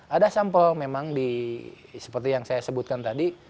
ada sampel memang seperti yang saya sebutkan tadi